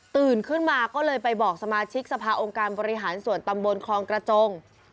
ขึ้นมาก็เลยไปบอกสมาชิกสภาองค์การบริหารส่วนตำบลคลองกระจง